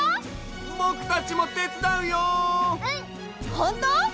ほんとう？